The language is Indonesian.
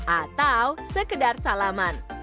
atau sekedar salaman